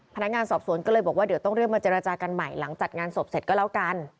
พนักงานสอบสวนก็เลยบอกว่าเดี๋ยวต้องเรียกมาเจรจากันใหม่หลังจัดงานศพเสร็จก็แล้วกัน